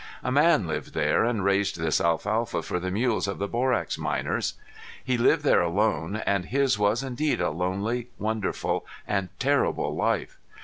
A man lived there, and raised this alfalfa for the mules of the borax miners. He lived there alone and his was indeed a lonely, wonderful, and terrible life.